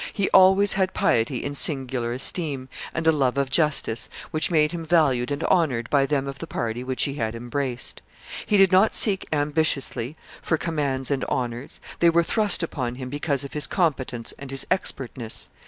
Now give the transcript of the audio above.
He always had piety in singular esteem, and a love of justice, which made him valued and honored by them of the party which he had embraced. He did not seek ambitiously for commands and honors; they were thrust upon him because of his competence and his expertness.